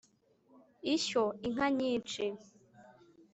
ishyo inka nyinshi